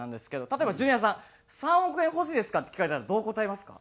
例えばジュニアさん「３億円欲しいですか？」って聞かれたらどう答えますか？